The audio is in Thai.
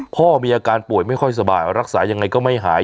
พ่อมีอาการป่วยไม่ค่อยสบายรักษายังไงก็ไม่หาย